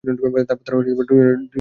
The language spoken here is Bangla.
তারপর তারা দুজনই ডুবে যায়।